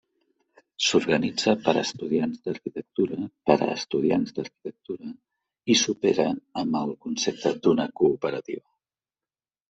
S'organitza per estudiants d'arquitectura per a estudiants d'arquitectura i s'opera amb el concepte d'una cooperativa.